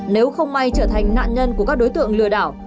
nếu không may trở thành nạn nhân của các đối tượng lừa đảo